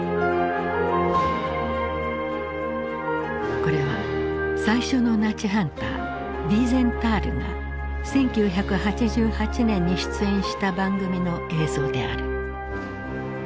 これは最初のナチハンターヴィーゼンタールが１９８８年に出演した番組の映像である。